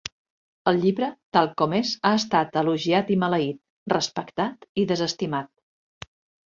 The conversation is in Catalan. El llibre tal com és ha estat elogiat i maleït, respectat i desestimat.